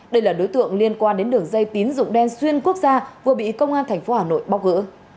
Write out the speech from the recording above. đây là đối tượng liên quan đến đường dây tín dụng đen xuyên quốc gia vừa bị công an tp hà nội bóc gỡ